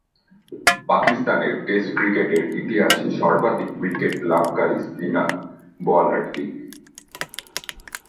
পাকিস্তানের টেস্ট ক্রিকেটের ইতিহাসে সর্বাধিক উইকেট লাভকারী স্পিন বোলার তিনি।